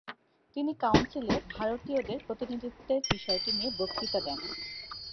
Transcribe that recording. তিনি কাউন্সিলে ভারতীয়দের প্রতিনিধিত্বের বিষয়টি নিয়ে বক্তৃতা দেন।